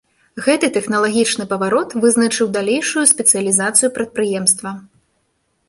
Гэты тэхналагічны паварот вызначыў далейшую спецыялізацыю прадпрыемства.